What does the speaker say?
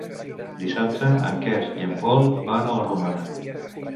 Dissabte en Quer i en Pol van a la Romana.